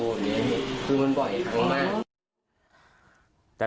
คือมันบ่อยครั้งมาก